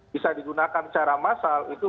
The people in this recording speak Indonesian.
bisa digunakan secara massal itu